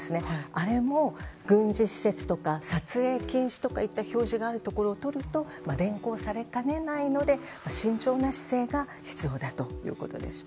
あれも軍事施設とか撮影禁止とかいった表示があるところを撮ると連行されかねないので慎重な姿勢が必要だということでした。